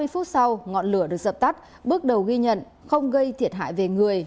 ba mươi phút sau ngọn lửa được dập tắt bước đầu ghi nhận không gây thiệt hại về người